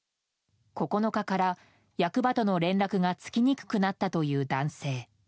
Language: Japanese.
９日から役場との連絡がつきにくくなったという男性。